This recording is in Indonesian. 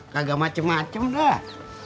kagak macem macem dah